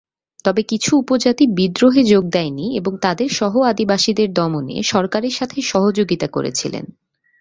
তবে কিছু উপজাতি বিদ্রোহে যোগ দেয়নি এবং তাদের সহ-আদিবাসীদের দমনে সরকারের সাথে সহযোগিতা করেছিলেন।